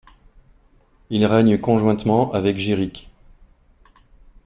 Il règne conjointement avec Giric.